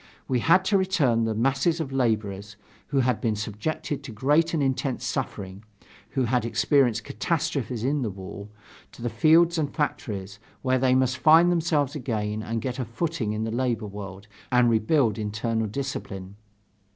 We had to return the masses of laborers, who had been subjected to great and intense suffering who had experienced catastrophes in the war to the fields and factories, where they must find themselves again and get a footing in the labor world, and rebuild internal discipline.